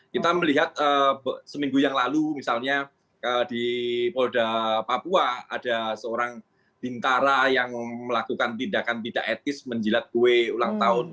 kita melihat seminggu yang lalu misalnya di polda papua ada seorang bintara yang melakukan tindakan tidak etis menjilat kue ulang tahun